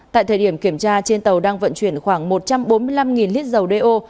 tại thời điểm kiểm tra trên tàu đang vận chuyển khoảng một trăm bốn mươi năm lít dầu đeo